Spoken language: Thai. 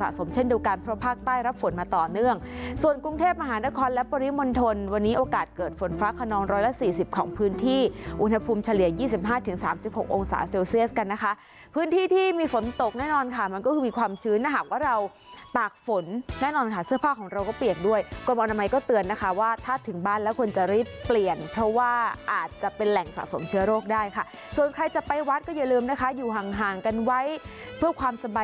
สามสิบหกองศาเซลเซียสกันนะคะพื้นที่ที่มีฝนตกแน่นอนค่ะมันก็คือมีความชื้นนะหากว่าเราปากฝนแน่นอนค่ะเสื้อผ้าของเราก็เปียกด้วยกรบอนามัยก็เตือนนะคะว่าถ้าถึงบ้านแล้วควรจะรีบเปลี่ยนเพราะว่าอาจจะเป็นแหล่งสะสมเชื้อโรคได้ค่ะส่วนใครจะไปวัดก็อย่าลืมนะคะอยู่ห่างห่างกันไว้เพื่อความสบ